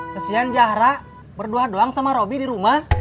kesian jahra berdua doang sama roby di rumah